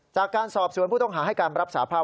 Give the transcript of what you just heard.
จากการสอบสวนผู้ต้องหาให้การรับสาภาพ